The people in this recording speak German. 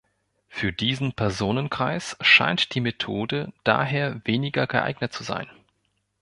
Für diesen Personenkreis scheint die Methode daher weniger geeignet zu sein.